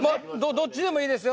どっちでもいいですよ